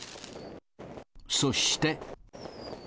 そして。